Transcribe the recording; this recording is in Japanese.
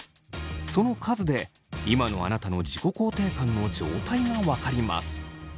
その数で今のあなたの自己肯定感の状態が分かります。